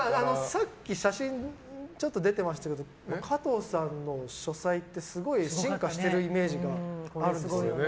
さっき写真出てましたけど加藤さんの書斎ってすごい進化しているイメージがあるんですよね。